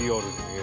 え！